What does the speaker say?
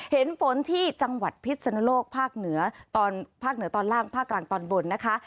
เห็นฝนที่จังหวัดพิษนุโลกภาคเหนือตอนภาคเหนือตอนล่างภาคกลางตอนบนนะคะ